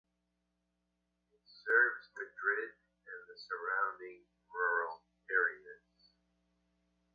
It serves Madrid and the surrounding rural areas.